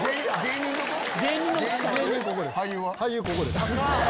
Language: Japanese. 俳優ここです。